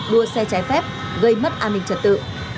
đua xe trái phép gây mất an ninh trật tự